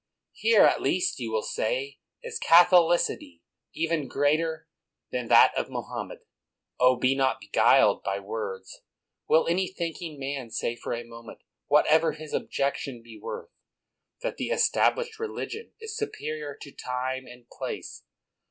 Here, at least, you will say, is Catholicity, even greater than that of Mohammed. Oh, be not beguiled by words ; will any thinking man say for a moment, whatever this objection be worth, that the Established Religion is superior to time and place